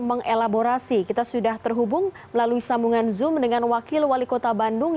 mengelaborasi kita sudah terhubung melalui sambungan zoom dengan wakil wali kota bandung